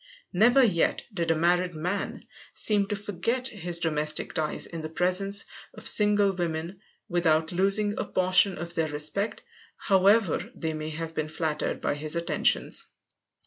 Never yet did a married man seem to forget his domestic ties in the presence of single women without losing a portion of their respect, however they may have been flattered by his attentions.